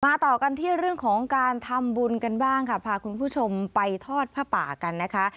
ต่อกันที่เรื่องของการทำบุญกันบ้างค่ะพาคุณผู้ชมไปทอดผ้าป่ากันนะคะ